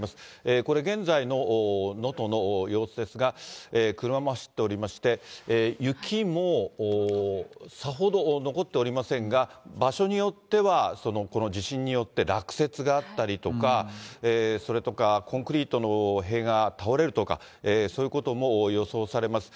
これ、現在の能登の様子ですが、車も走っておりまして、雪もさほど残っておりませんが、場所によってはこの地震によって落雪があったりとか、それとかコンクリートの塀が倒れるとか、そういうことも予想されます。